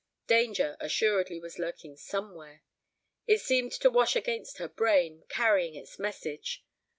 . danger assuredly was lurking somewhere ... it seemed to wash against her brain, carrying its message.